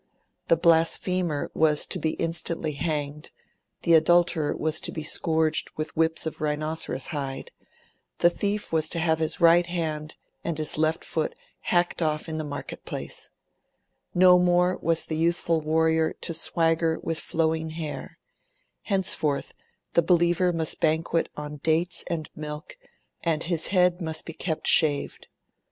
The blasphemer was to be instantly hanged, the adulterer was to be scourged with whips of rhinoceros hide, the thief was to have his right hand and his left foot hacked off in the marketplace. No more were marriages to be celebrated with pomp and feasting, no more was the youthful warrior to swagger with flowing hair; henceforth, the believer must banquet on dates and milk, and his head must be kept shaved.